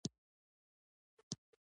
د "ث" حرف په لیکنه کې ښکاري.